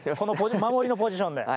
守りのポジションで。